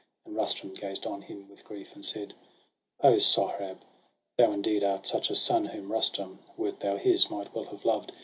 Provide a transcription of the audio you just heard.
And Rustum gazed on him with grief, and said :—' O Sohrab, thou indeed art such a son Whom Rustum, wert thou his, might well have loved